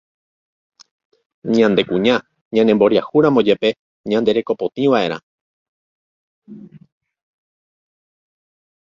Ñande kuña ñanemboriahúramo jepe ñanderekopotĩva'erã